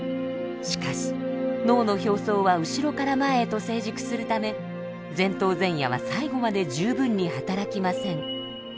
しかし脳の表層は後ろから前へと成熟するため前頭前野は最後まで十分に働きません。